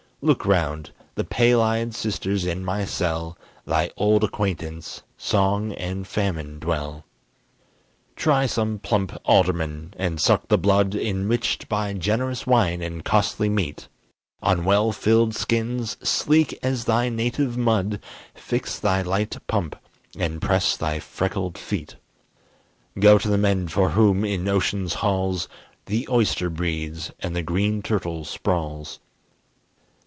Look round: the pale eyed sisters in my cell, Thy old acquaintance, Song and Famine, dwell. Try some plump alderman, and suck the blood Enriched by generous wine and costly meat; On well filled skins, sleek as thy native mud, Fix thy light pump, and press thy freckled feet. Go to the men for whom, in ocean's halls, The oyster breeds and the green turtle sprawls.